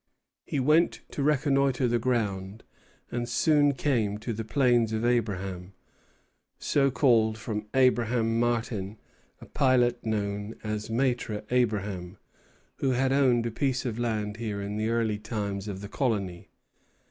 He went to reconnoitre the ground, and soon came to the Plains of Abraham, so called from Abraham Martin, a pilot known as Maître Abraham, who had owned a piece of land here in the early times of the colony.